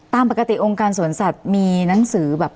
ตามปกติองค์การสวนสัตว์มีหนังสือแบบ